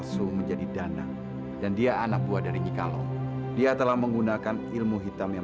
sujud dan sembahlah hanya pada allah sebuah buah tuhan